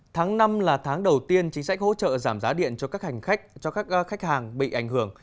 tháng năm là tháng đầu tiên chính sách hỗ trợ giảm giá điện cho các khách hàng bị ảnh hưởng